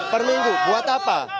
perminggu buat apa